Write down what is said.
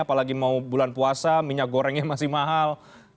apalagi mau bulan puasa minyak gorengnya masih mahal